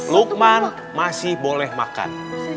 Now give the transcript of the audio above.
lukman masih boleh makan